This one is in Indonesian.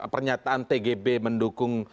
pernyataan tgb mendukung